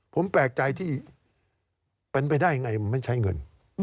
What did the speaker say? ผมแปลกใจที่เป็นไปได้ยังไงมันไม่ใช้เงิน